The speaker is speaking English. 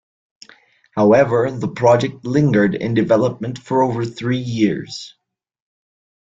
However, the project lingered in development for over three years.